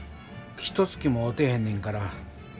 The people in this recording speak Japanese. ひとつきも会うてへんねんから。